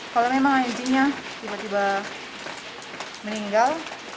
kalau memang anjingnya tiba tiba meninggal